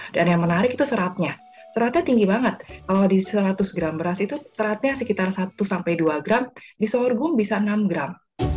dan yang menarik itu seratnya seratnya tinggi banget kalau di seratus gram beras itu seratnya sekitar satu sampai dua gram di sorghum bisa enam gram